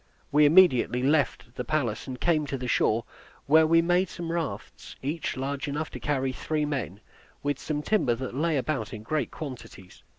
We immediately left the palace, and came to the shore, where we made some rafts, each large enough to carry three men, with some timber that lay about in great quantities.